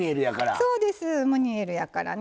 そうですムニエルやからね